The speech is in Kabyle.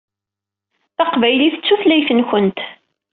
D taqbaylit i d tutlayt-nkent.